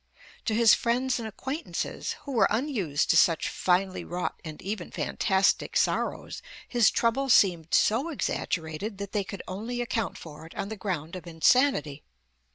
To his friends and acquaintances, who were unused to such finely wrought and even fantastic sorrows, his trouble seemed so exaggerated that they could only account for it on the ground of insanity.